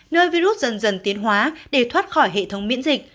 nơi virus dần dần tiến hóa để thoát khỏi hệ thống miễn dịch